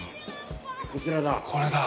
こちらだ。